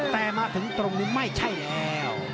แต่มาถึงตรงนี้ไม่ใช่แล้ว